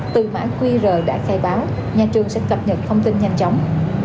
từ mã qr đã khai báo nhà trường sẽ cập nhật thông tin nhanh chóng